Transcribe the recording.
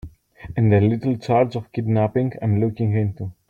And a little charge of kidnapping I'm looking into.